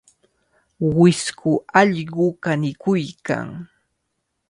Wisku allqu kanikuykan.